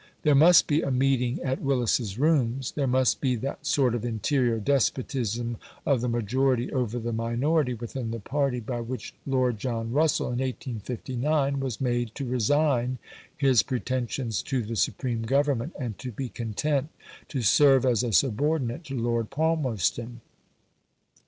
There must be a meeting at "Willis's Rooms"; there must be that sort of interior despotism of the majority over the minority within the party, by which Lord John Russell in 1859 was made to resign his pretensions to the supreme government, and to be content to serve as a subordinate to Lord Palmerston.